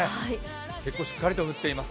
結構しっかりと降っています。